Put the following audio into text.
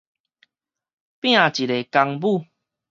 拚一个公母